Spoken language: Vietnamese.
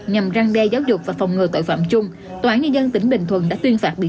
nhằm răng đe giáo dục và phòng ngừa tội phạm chung tòa án nhân dân tỉnh bình thuận đã tuyên phạt bị